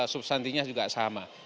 subsantinya juga sama